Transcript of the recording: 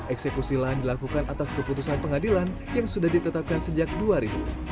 eksekusi lahan dilakukan atas keputusan pengadilan yang sudah ditetapkan sejak dua ribu